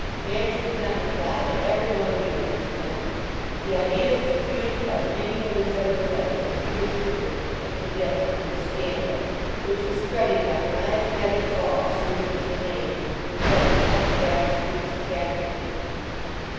Nance did not reply, but every one knew what she meant. The ideas diffused by the reading of Lucetta's letters at Peter's Finger had condensed into a scandal, which was spreading like a miasmatic fog through Mixen Lane, and thence up the back streets of Casterbridge.